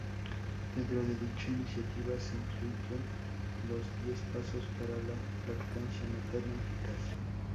Dentro de dicha iniciativa se incluyen los diez pasos para la lactancia materna eficaz.